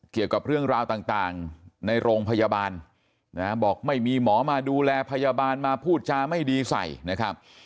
เกี่ยวกับเรื่องราวต่างในโรงพยาบาลนะบอกไม่มีหมอมาดูแลพยาบาลมาพูดจาไม่ดีใส่นะครับ